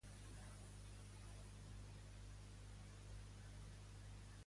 La llei que crearà l'Agència Catalana de Protecció Social continua el seu recorregut parlamentari.